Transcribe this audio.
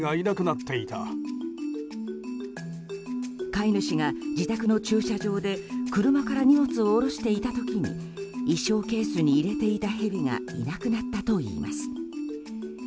飼い主が自宅の駐車場で車から荷物を下ろしていた時に衣装ケースに入れていたヘビがいなくなったといいます。